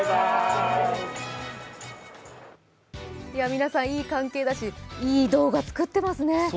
皆さんいい関係だし、いい動画を作っていますね。